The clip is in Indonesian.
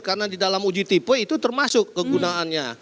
karena di dalam uji tipe itu termasuk kegunaannya